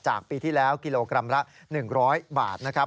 ปีที่แล้วกิโลกรัมละ๑๐๐บาทนะครับ